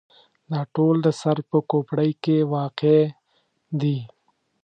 دا ټول د سر په کوپړۍ کې واقع دي.